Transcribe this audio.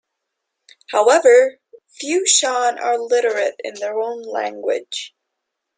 However, few Shan are literate in their own language.